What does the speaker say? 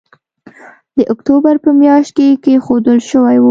د اکتوبر په مياشت کې کېښودل شوی وو